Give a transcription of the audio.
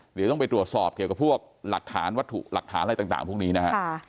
เดี๋ยวต้องไปตรวจสอบเกี่ยวกับพวกหลักฐานวัตถุหลักฐานอะไรต่างพวกนี้นะฮะ